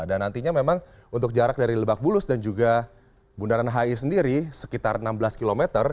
dan nantinya memang untuk jarak dari lebak bulus dan juga bundaran hi sendiri sekitar enam belas km